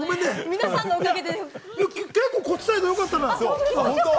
結構こっちサイド良かったのよ。